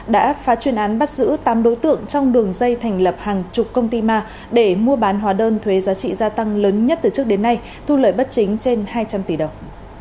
đã phá chuyên án bắt giữ tám đối tượng trong đường dây thành lập hàng chục công ty ma để mua bán hóa đơn thuế giá trị gia tăng lớn nhất từ trước đến nay thu lợi bất chính trên hai trăm linh tỷ đồng